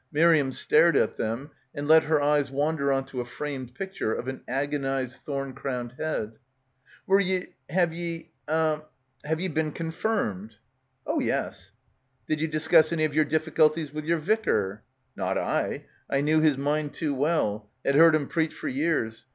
Miriam stared at them and let her eyes wander on to a framed picture of an agonised thorn crowned head. "Were you — have ye — eh — have ye been con firmed?" "Oh yes." "Did ye discuss any of your difficulties with yer vicar?" "Not I. I knew his mind too well. Had heard him preach for years.